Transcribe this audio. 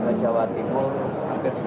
karena beberapa minggu yang lalu